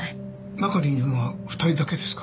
中にいるのは２人だけですかね？